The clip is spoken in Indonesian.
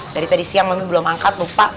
dari tadi siang memang belum angkat lupa